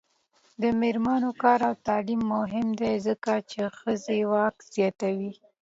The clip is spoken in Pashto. د میرمنو کار او تعلیم مهم دی ځکه چې ښځو واک زیاتوي.